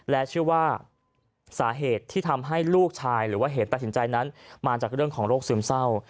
และเชื่อว่าสาเหตุที่ทำให้ลูกชายหรือว่าเหตุตัดสินใจนั้นมาจากเรื่องของโรคซึมเศร้า